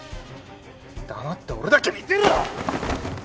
黙って俺だけ見てろ！